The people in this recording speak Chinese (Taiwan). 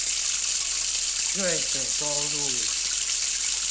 瑞水公路